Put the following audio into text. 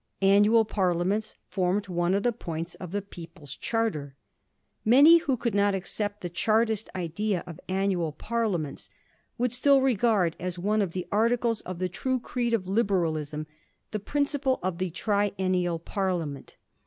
'Annual Parliaments ' formed one of the points of the People's Charter. Many who would not accept the Chartist idea of annual par liaments would still regard as one of the articles of the true creed of Liberalism the principle of the triennial parliament.